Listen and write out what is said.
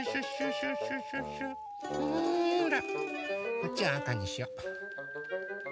こっちはあかにしよう。